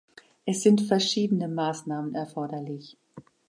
Es sind verschiedene Maßnahmen erforderlich.